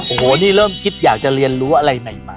โอ้โหนี่เริ่มคิดอยากจะเรียนรู้อะไรใหม่มา